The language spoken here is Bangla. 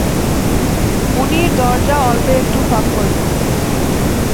মুনির দরজা অল্প একটু ফাঁক করল।